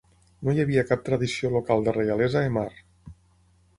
No hi havia cap tradició local de reialesa a Emar.